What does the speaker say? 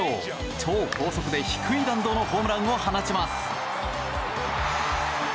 超高速で低い弾道のホームランを放ちます。